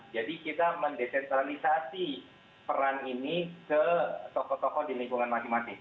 jadi kita mendesentralisasi peran ini ke tokoh tokoh di lingkungan masing masing